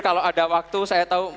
kalau ada waktu saya tahu